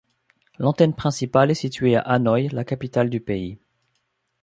L'antenne principale est située à Hanoï, la capitale du pays.